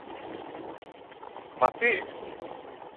Μα τι;